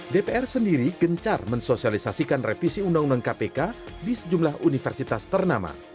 dpr sendiri gencar mensosialisasikan revisi undang undang kpk di sejumlah universitas ternama